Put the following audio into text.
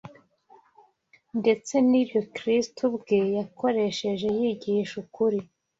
ndetse n’ibyo Kristo ubwe yakoresheje yigisha ukuri